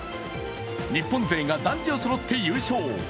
日本勢が男女そろって優勝。